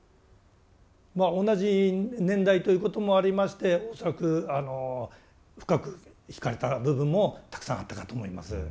まあ同じ年代ということもありまして恐らく深くひかれた部分もたくさんあったかと思います。